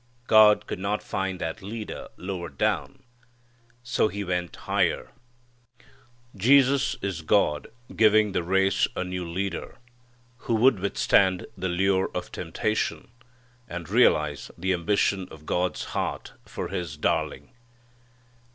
God could not find that leader lower down. So He went higher. Jesus is God giving the race a new Leader who would withstand the lure of temptation and realize the ambition of God's heart for His darling.